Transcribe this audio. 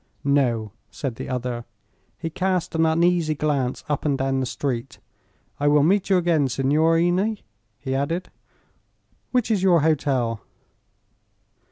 "No," said the other. He cast an uneasy glance up and down the street. "I will meet you again, signorini," he added. "Which is your hotel?"